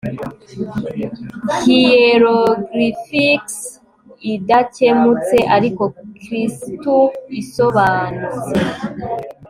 hieroglyphics idakemutse ariko kristuisobanutse